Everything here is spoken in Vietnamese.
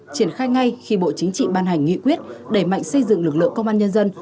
triển khai ngay khi bộ chính trị ban hành nghị quyết đẩy mạnh xây dựng lực lượng công an nhân dân